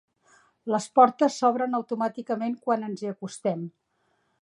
Les portes s'obren automàticament quan ens hi acostem.